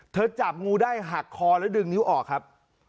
จับงูได้หักคอแล้วดึงนิ้วออกครับ